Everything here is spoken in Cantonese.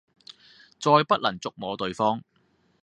再不能觸摸對方